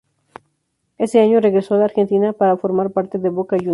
Ese año regresó a la Argentina para formar parte de Boca Juniors.